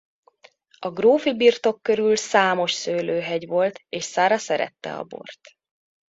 A grófi birtok körül számos szőlőhegy volt és Sara szerette a bort.